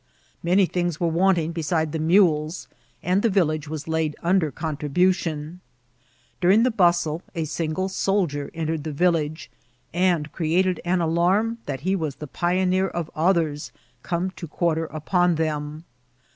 Many things were wanting besides the mules, and die village was laid nndcr contribntion* During the bustle, a single soldier entered the village, and created an alarm that he was the pioneer of others come to quarter upon them.